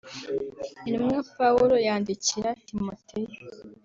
Intumwa Pawulo yandikira Timoteyo